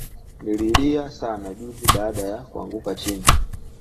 Nililia sana juzi baada ya kuanguka chini